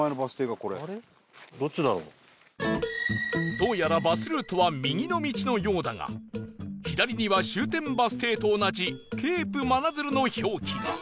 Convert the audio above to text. どうやらバスルートは右の道のようだが左には終点バス停と同じケープ真鶴の表記が